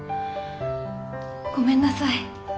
ごめんなさい。